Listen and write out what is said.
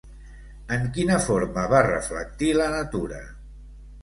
En quina forma va reflectir la natura?